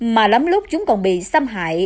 mà lắm lúc chúng còn bị xâm hại